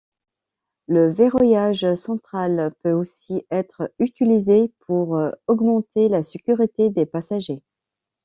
Le verrouillage central peut aussi être utilisé pour augmenter la sécurité des passagers.